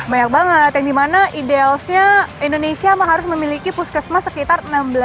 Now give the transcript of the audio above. banyak banget yang dimana idealsnya indonesia harus memiliki puskesmas sekitar enam belas delapan ratus tujuh puluh lima